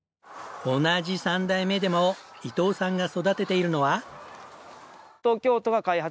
同じ３代目でも伊藤さんが育てているのは。